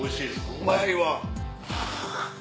うまいわ。